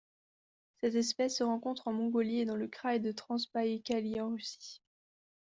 Cette espèce se rencontre en Mongolie et dans le Kraï de Transbaïkalie en Russie.